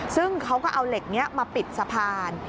ซึ่งเขาก็เอาเหล็กนี้มาปิดสะพาน